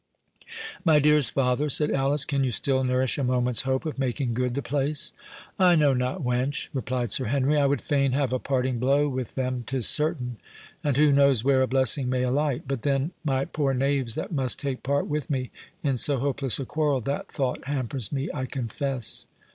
"My dearest father," said Alice, "can you still nourish a moment's hope of making good the place?" "I know not, wench," replied Sir Henry; "I would fain have a parting blow with them, 'tis certain—and who knows where a blessing may alight? But then, my poor knaves that must take part with me in so hopeless a quarrel—that thought hampers me I confess."